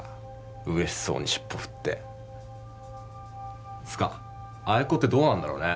嬉しそうに尻尾振ってつかああいう子ってどうなんだろうね